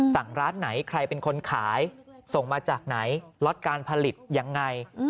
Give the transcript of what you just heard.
ร้านไหนใครเป็นคนขายส่งมาจากไหนล็อตการผลิตยังไง